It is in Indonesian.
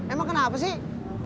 emang kenapa sih